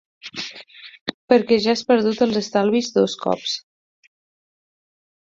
Perquè ja has perdut els estalvis dos cops.